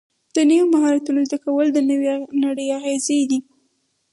د نویو مهارتونو زده کول د نوې نړۍ اغېزې دي.